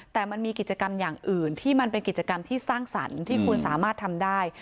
แต่มันมีกิจกรรมอย่างอื่นที่มันเป็นกิจกรรมที่สร้างสรรค์ที่คุณสามารถทำได้